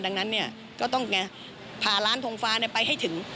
ดังนั้นก็ต้องพาร้านทงฟ้าไปให้ถึง